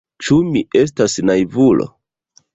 Ĉu mi estas naivulo?